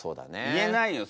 言えないよ